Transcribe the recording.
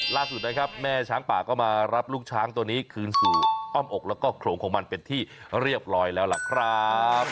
ล่าสุดนะครับแม่ช้างป่าก็มารับลูกช้างตัวนี้คืนสู่อ้อมอกแล้วก็โขลงของมันเป็นที่เรียบร้อยแล้วล่ะครับ